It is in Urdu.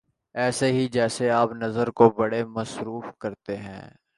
ایسے ہی جیسے آپ نظر تو بڑے مصروف آتے ہیں